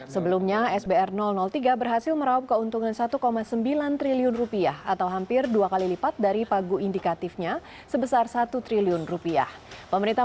sebelumnya sbr tiga berhasil meraup keuntungan satu sembilan triliun rupiah atau hampir dua kali lipat dari pagu indikatifnya sebesar satu triliun rupiah